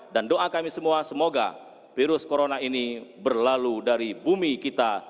dan doa kami semua semoga virus corona ini berlalu dari bumi kita